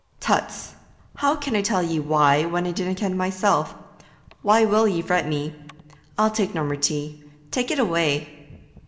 'Tuts! How can I tell ye why, when I dinna ken mysel'? Why will ye fret me? I'll tak' no more tea. Tak' it away!'